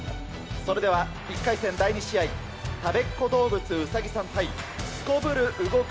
それでは１回戦第２試合、たべっ子どうぶつうさぎさん対すこぶる動く